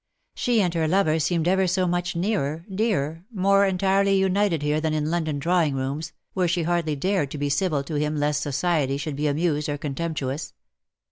She and her lover seemed ever so much nearer, dearer, more entirely united here than in London drawing rooms, where she hardly dared to be civil to him lest society should be amused or contemptuous.